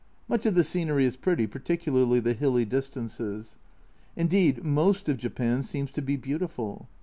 Much of the scenery is pretty, particularly the hilly distances. Indeed, most of Japan seems to be beautiful.